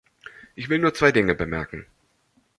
Ich will nur zwei Dinge bemerken.